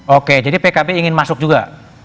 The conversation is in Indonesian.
oke jadi pkb ingin masuk juga